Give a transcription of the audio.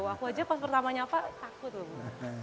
aku aja pas pertama nyapa takut loh bu